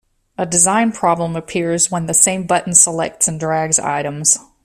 A design problem appears when the same button selects and drags items.